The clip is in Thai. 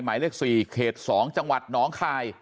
หมายเลข๔๒จังหวัดหนองคาย